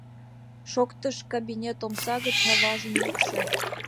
— шоктыш кабинет омса гыч аважын йӱкшӧ.